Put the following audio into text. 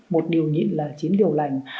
một điều nhịn là chính điều lành